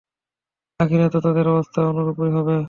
আখিরাতেও তাদের অবস্থা অনুরূপই হবে।